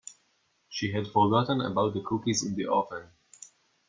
She had forgotten about the cookies in the oven.